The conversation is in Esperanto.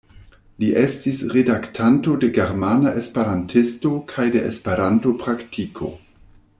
Li estis redaktanto de Germana Esperantisto kaj de Esperanto-Praktiko.